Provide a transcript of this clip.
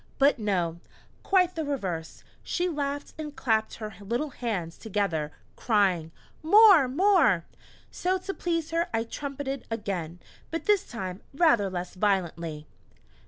But no, quite the reverse; she laughed and clapped her little hands together, crying: "More more!" So to please her I trumpeted again but this time rather less violently!